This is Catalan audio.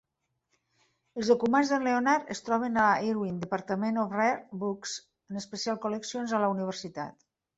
Els documents d"en Leonard es troben a l"Irvin Department of Rare Books and Special Collections e la universitat.